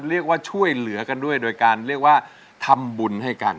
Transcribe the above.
ช่วยเหลือกันด้วยโดยการเรียกว่าทำบุญให้กัน